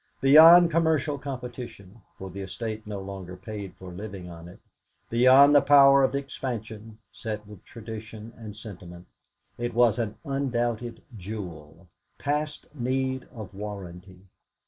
Beyond commercial competition for the estate no longer paid for living on it beyond the power of expansion, set with tradition and sentiment, it was an undoubted jewel, past need of warranty.